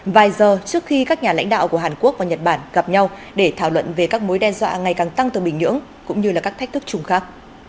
vài giờ trước khi các nhà lãnh đạo của hàn quốc và nhật bản gặp nhau để thảo luận về các mối đe dọa ngày càng tăng từ bình nhưỡng cũng như là các thách thức chung khác